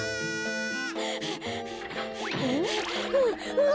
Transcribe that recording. うわ！